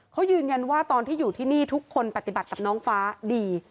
เขายืนยันว่าตอนที่อยู่ที่นี่ทุกคนปฏิบัติกับน้องฟ้าดี